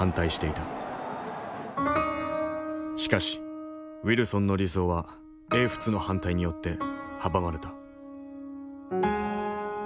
しかしウィルソンの理想は英仏の反対によって阻まれた。